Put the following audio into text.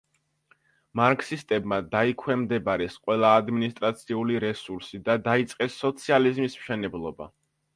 მარქსისტებმა დაიქვემდებარეს ყველა ადმინისტრაციული რესურსი და დაიწყეს სოციალიზმის მშენებლობა.